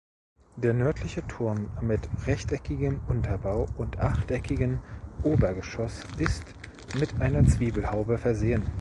Der nördliche Turm mit rechteckigen Unterbau und achteckigen Obergeschoss ist mit einer Zwiebelhaube versehen.